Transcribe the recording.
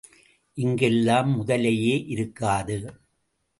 இங்கெல்லாம் முதலையே இருக்காது.